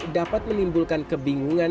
dapat menimbulkan kebingungan